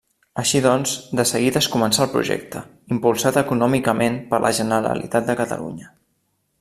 Així doncs, de seguida es començà el projecte, impulsat econòmicament per la Generalitat de Catalunya.